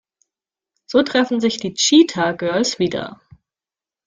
So treffen sich die Cheetah Girls wieder.